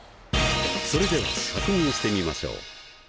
それでは確認してみましょう。